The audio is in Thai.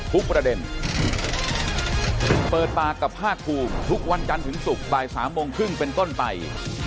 โปรดติดตามต่อไป